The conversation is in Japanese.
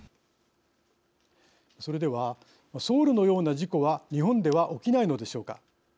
それではソウルのような事故は日本では起きないのでしょうか。